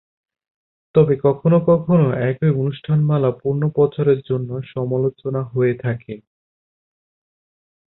তবে, কখনও কখনও একই অনুষ্ঠানমালা পুণ:প্রচারের জন্য সমালোচনা হয়ে থাকে।